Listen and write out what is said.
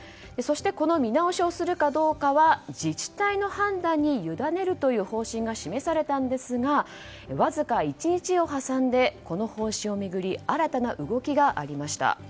この見直しをするかどうかは自治体の判断に委ねるという方針が示されたんですがわずか１日を挟んでこの方針を巡り新たな動きがありました。